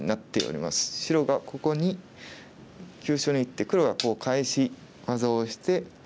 白がここに急所に打って黒が返し技をして。